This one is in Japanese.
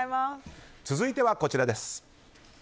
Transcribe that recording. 続いてはこちらです。